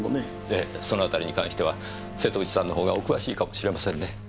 ええそのあたりに関しては瀬戸内さんのほうがお詳しいかもしれませんね。